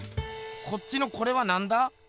こっちのこれはなんだ？